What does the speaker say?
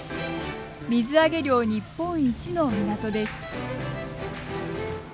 水揚げ量日本一の港です。